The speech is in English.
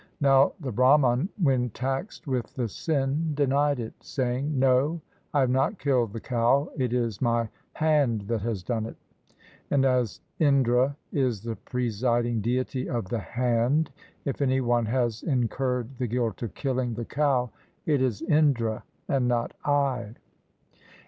Now the Brahman when taxed with the sin denied it, saying, "No, I have not killed the cow; it is my hand that has done it, and as Indra is the presiding Deity of the hand, if any one has incurred the guilt of killing the cow, it is Indra and not I."